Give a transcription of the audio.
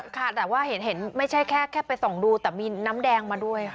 ค่ะแต่ว่าเห็นไม่ใช่แค่ไปส่องดูแต่มีน้ำแดงมาด้วยค่ะ